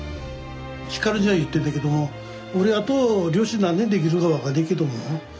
輝には言ってんだけども俺あと漁師何年できるか分かんねえけどもよ